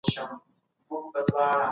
کرامت انسان له سپکاوي ژغوري.